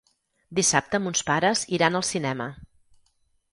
Dissabte mons pares iran al cinema.